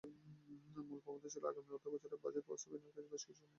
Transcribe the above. মূল প্রবন্ধে বলা হয়, আগামী অর্থবছরের বাজেট বাস্তবায়নের বেশ কিছু চ্যালেঞ্জ রয়েছে।